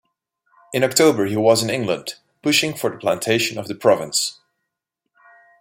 In October he was in England, pushing for the plantation of the province.